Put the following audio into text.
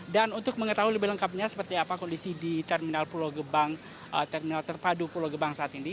dan untuk mengetahui lebih lengkapnya seperti apa kondisi di terminal pulau gebang terminal terpadu pulau gebang saat ini